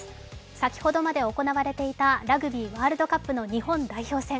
先ほどまで行われていたラグビーワールドカップの日本代表戦。